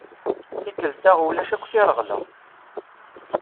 Tikkelt-a ulac akk tireɣla.